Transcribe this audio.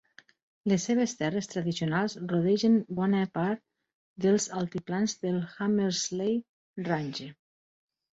Les seves terres tradicionals rodegen bona part dels altiplans del Hamersley Range.